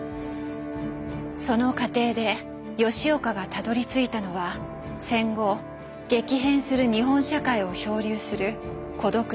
その過程で吉岡がたどりついたのは戦後激変する日本社会を漂流する孤独な一人の青年の姿でした。